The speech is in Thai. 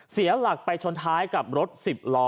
เสียหลักไปชนท้ายกับรถ๑๐ล้อ